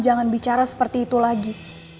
jangan bicara seperti itu lagi